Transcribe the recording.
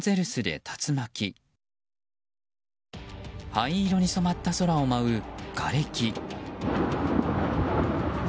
灰色に染まった空を舞うがれき。